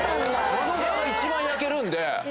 窓側が一番焼けるんで。